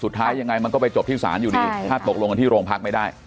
สุดท้ายยังไงมันก็ไปจบที่ศาลอยู่ดีถ้าตกลงกันที่โรงพักไม่ได้